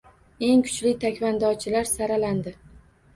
Eng kuchli taekvondochilar saralandi